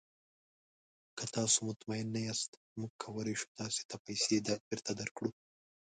که تاسو مطمین نه یاست، موږ کولی شو تاسو ته پیسې بیرته درکړو.